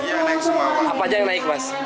apa aja yang naik mas